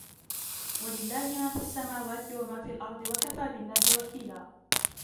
ولله ما في السماوات وما في الأرض وكفى بالله وكيلا